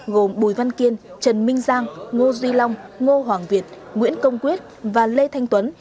gồm bùi văn kiên trần minh giang ngô duy long ngô hoàng việt nguyễn công quyết và lê thanh tuấn